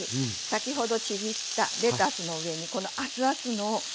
先ほどちぎったレタスの上にこの熱々のをのせます。